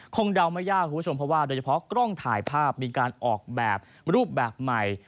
เดาไม่ยากคุณผู้ชมเพราะว่าโดยเฉพาะกล้องถ่ายภาพมีการออกแบบรูปแบบใหม่